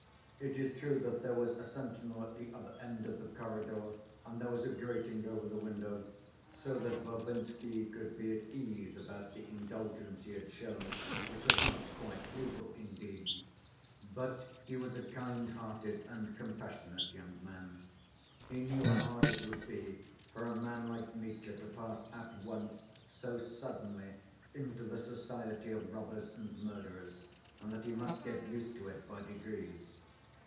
It is true that there was a sentinel at the other end of the corridor, and there was a grating over the window, so that Varvinsky could be at ease about the indulgence he had shown, which was not quite legal, indeed; but he was a kind‐hearted and compassionate young man. He knew how hard it would be for a man like Mitya to pass at once so suddenly into the society of robbers and murderers, and that he must get used to it by degrees.